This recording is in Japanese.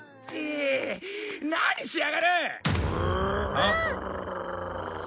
あっ。